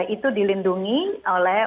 itu dilindungi oleh